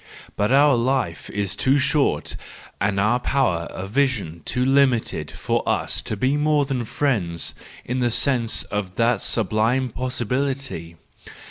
But our life is too short, and our power of vision too limited for SANCTUS JANUARIUS 217 us to be more than friends in the sense of that sublime possibility.